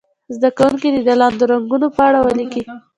زده کوونکي دې د لاندې رنګونو په اړه ولیکي.